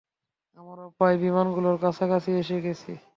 আমরা প্রায় বিমানগুলোর কাছাকাছি এসে গেছি।